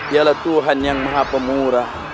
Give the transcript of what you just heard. ialah tuhan yang maha pemurah